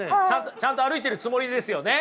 ちゃんと歩いているつもりですよね？